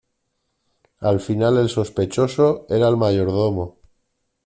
Al final el sospechoso, era el mayordomo.